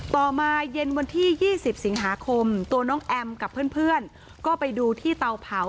ต่อมาเย็นวันที่๒๐สิงหาคมตัวน้องแอมกับเพื่อนก็ไปดูที่เตาเผา